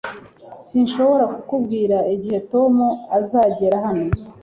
sinshobora kukubwira igihe tom azagera hano